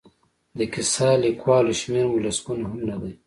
د کیسه لیکوالو شمېر مو لسګونه هم نه دی.